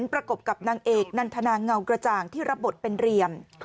ประกบกับนางเอกนันทนาเงากระจ่างที่รับบทเป็นเรียม